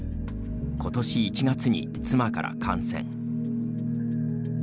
ことし１月に妻から感染。